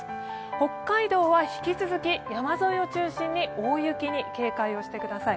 北海道は引き続き山沿いを中心に大雪に警戒してください。